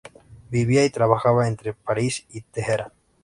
Vivía y trabajaba entre París y Teherán.